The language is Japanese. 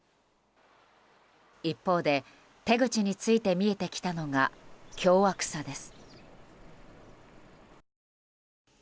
一方で手口について見えてきたのが凶悪さです。